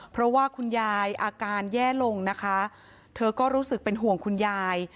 เพราะว่าคุณยายอาการแย่ลงนะคะเธอก็รู้สึกเป็นห่วงคุณยาย